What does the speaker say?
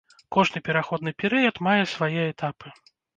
Кожны пераходны перыяд мае свае этапы.